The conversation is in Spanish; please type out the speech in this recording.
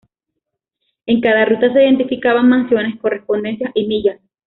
En cada ruta se identificaban mansiones, correspondencias y millas.